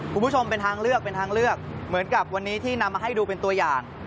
คุณผู้ชมเป็นทางเลือกเป็นทางเลือกเหมือนกับวันนี้ที่นำมาให้ดูเป็นตัวอย่าง